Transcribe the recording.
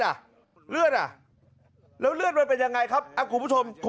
หาวหาวหาวหาวหาวหาวหาวหาวหาวหาว